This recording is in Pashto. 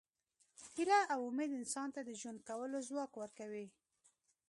هیله او امید انسان ته د ژوند کولو ځواک ورکوي.